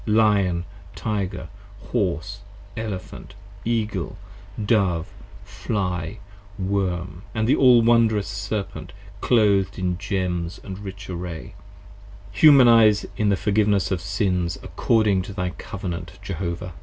Lion, Tyger, Horse, Elephant, Eagle, Dove, Fly, Worm, And the all wondrous Serpent clothed in gems & rich array, Humanize 45 In the Forgiveness of Sins according to thy Covenant, Jehovah!